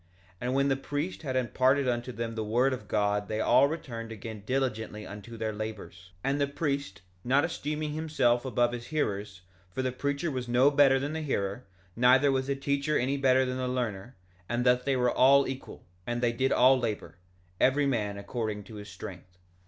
And when the priest had imparted unto them the word of God they all returned again diligently unto their labors; and the priest, not esteeming himself above his hearers, for the preacher was no better than the hearer, neither was the teacher any better than the learner; and thus they were all equal, and they did all labor, every man according to his strength.